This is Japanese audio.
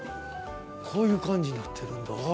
こういう感じになってるんだ。